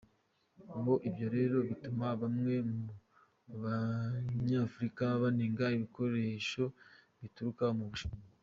Ngo ibyo rero bituma bamwe mu banyafurika banenga ibikoresho bituruka mu Bushinwa.